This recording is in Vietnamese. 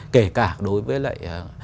kể cả đối với lại